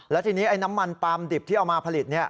แล้วทีนี้ไอ้น้ำมันปลามดิบที่เอามาผลิต